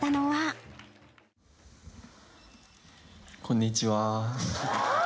こんにちは。